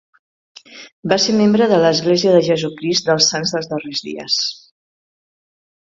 Va ser membre de l'Església de Jesucrist dels Sants dels Darrers Dies.